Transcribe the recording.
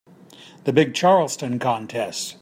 The big Charleston contest.